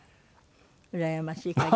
うらやましい限り。